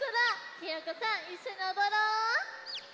ひよこさんいっしょにおどろう。